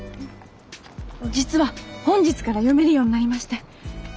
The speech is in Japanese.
実は本日から読めるようになりまして。